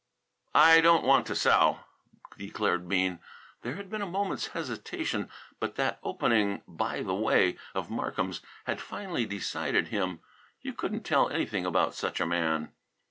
"I don't want to sell," declared Bean. There had been a moment's hesitation, but that opening, "By the way," of Markham's had finally decided him. You couldn't tell anything about such a man.